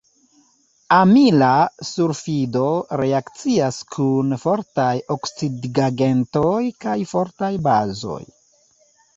Amila sulfido reakcias kun fortaj oksidigagentoj kaj fortaj bazoj.